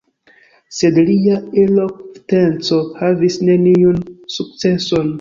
Sed lia elokventeco havis neniun sukceson.